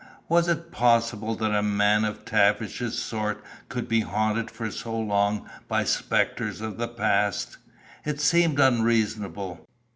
Was it possible that a man of Tavish's sort could be haunted for so long by spectres of the past? It seemed unreasonable.